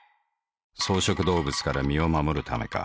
草食動物から身を護るためか。